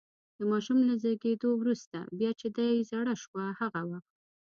د ماشوم له زېږېدو وروسته، بیا چې دې زړه شو هغه وخت.